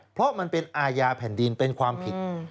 เพราะมันเป็นอาญาแผ่นดินเป็นความผิด